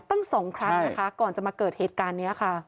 ตั้งสองครั้งนะคะก่อนจะมาเกิดเหตุการณ์นี้ค่ะ